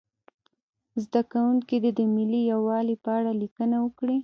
زده کوونکي دې د ملي یووالي په اړه لیکنه وکړي.